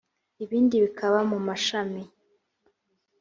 ibindi bikaba mu mashami